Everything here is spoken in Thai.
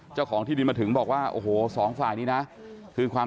จะไม่เคลียร์กันได้ง่ายนะครับ